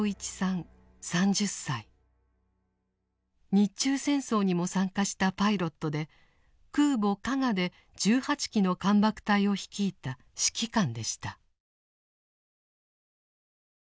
日中戦争にも参加したパイロットで空母「加賀」で１８機の艦爆隊を率いた指揮官でした。